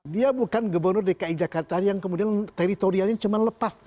dia bukan gubernur dki jakarta yang kemudian teritorialnya cuma lepas